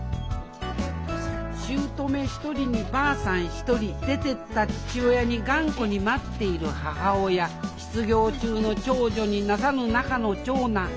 姑１人にばあさん１人出てった父親に頑固に待っている母親失業中の長女になさぬ仲の長男。